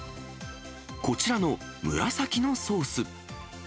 こちらの紫のソース。